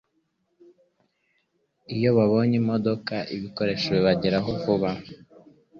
iyo babonye imodoka ibikorsho bibageraho vuba